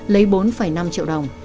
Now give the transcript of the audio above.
lấy bốn năm triệu đồng